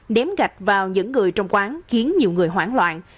đếm gạch vào những người trong quán khiến nhiều người hoảng loạn